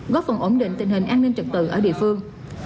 góp phần ổn định tình hình an ninh trực tự ở địa phương